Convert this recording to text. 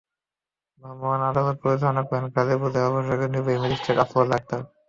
ভ্রাম্যমাণ আদালত পরিচালনা করেন গাজীপুর জেলা প্রশাসনের নির্বাহী ম্যাজিস্ট্রেট আফরোজা আক্তার।